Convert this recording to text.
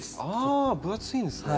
あ分厚いんですね。